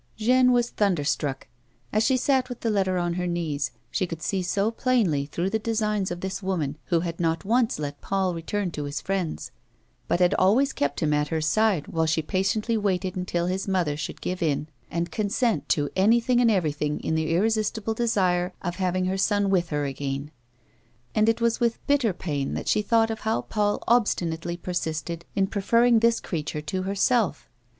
Jeanne was thunderstruck. As she sat with the letter on her knees, she could see so plainly through the designs of this woman who had not once let Paul return to his friends, but had always kept him at her side while she patiently waited until his mother should give in and consent to anything and everything in the irresistible desire of having her son with her again : and it was with bitter pain that she thought of how Paul obstinately persisted in pre ferring this creature to herself.